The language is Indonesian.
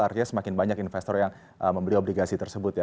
artinya semakin banyak investor yang membeli obligasi tersebut ya